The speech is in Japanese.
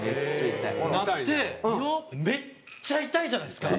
なってめっちゃ痛いじゃないですか。